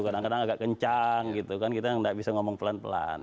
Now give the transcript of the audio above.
kadang kadang agak kencang kita tidak bisa ngomong pelan pelan